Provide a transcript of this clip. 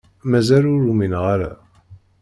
Mazal ur umineɣ ara.